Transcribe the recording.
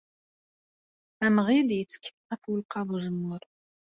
Amɣid yettkel ɣef welqaḍ uzemmur.